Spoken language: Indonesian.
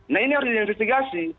nah ini harus diinvestigasi